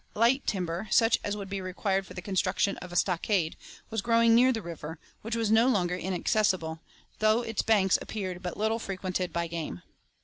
Light timber, such as would be required for the construction of a stockade, was growing near the river, which was no longer inaccessible, though its banks appeared but little frequented by game.